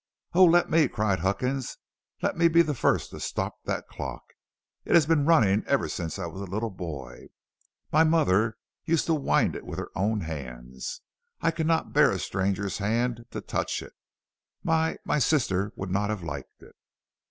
"Oh, let me," cried Huckins, "let me be the first to stop that clock. It has been running ever since I was a little boy. My mother used to wind it with her own hands. I cannot bear a stranger's hand to touch it. My my sister would not have liked it."